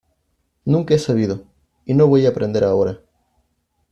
nunca he sabido y no voy a aprender ahora.